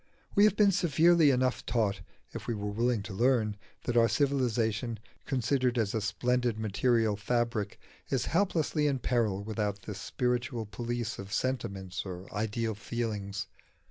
We have been severely enough taught (if we were willing to learn) that our civilisation, considered as a splendid material fabric, is helplessly in peril without the spiritual police of sentiments or ideal feelings.